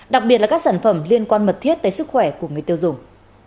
đặc biệt là các sản phẩm liên quan mật thiết tới sức khỏe của người tiêu dùng